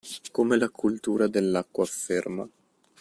Come la cultura dell’acqua afferma.